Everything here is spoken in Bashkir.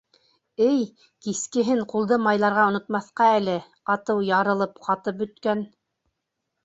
Эй-й, кискеһен ҡулды майларға онотмаҫҡа әле, атыу ярылып, ҡатып бөткән...